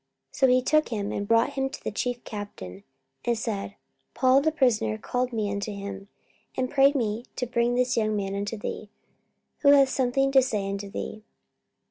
44:023:018 So he took him, and brought him to the chief captain, and said, Paul the prisoner called me unto him, and prayed me to bring this young man unto thee, who hath something to say unto thee.